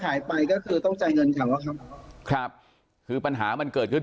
กันตายไปก็คือต้องใจเงินเขาครับคือปัญหามันเกิดขึ้น